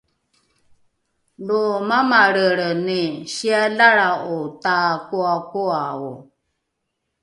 lo mamalrelreni sialalra’o takoakoao